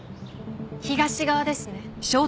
東側ですね。